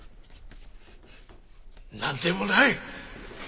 なんでもない！